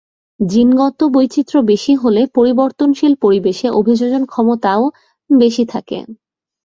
জিনগত বৈচিত্র্য বেশি হলে পরিবর্তনশীল পরিবেশে অভিযোজন ক্ষমতাও বেশি থাকে।